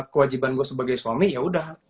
kewajiban gua sebagai suami yaudah